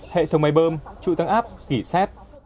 hệ thống máy bơm trụ tăng áp kỷ xét